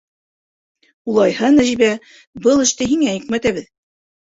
Улайһа, Нәжибә, был эште һиңә йөкмәтәбеҙ.